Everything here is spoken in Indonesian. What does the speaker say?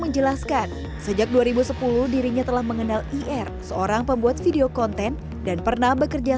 menjelaskan sejak dua ribu sepuluh dirinya telah mengenal ir seorang pembuat video konten dan pernah bekerja